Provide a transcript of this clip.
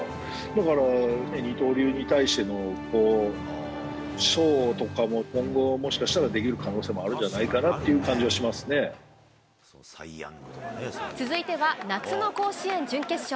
だから、二刀流に対しての賞とかも今後、もしかしたらできる可能性もあるんじゃないかなっていう続いては、夏の甲子園準決勝。